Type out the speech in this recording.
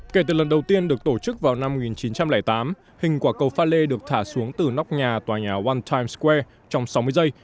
kể từ lần đầu tiên được tổ chức vào năm một nghìn chín trăm linh tám hình quả cầu pha lê được thả xuống từ nóc nhà tòa nhà ontine square trong sáu mươi giây